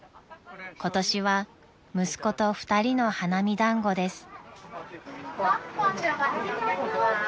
［今年は息子と２人の花見団子です］嘘？